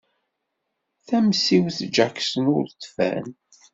Tamsiwt Jackson ur d-tban.